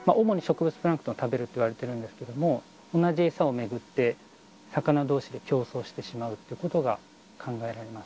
主に植物プランクトンを食べるといわれているんですけど、同じ餌を巡って、魚どうしで競争してしまうということが考えられます。